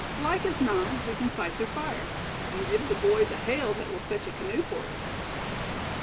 Like as not we can sight their fire, and give the boys a hail that will fetch a canoe for us."